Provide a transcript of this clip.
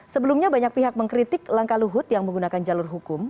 sebelumnya banyak pihak mengkritik langkah luhut yang menggunakan jalur hukum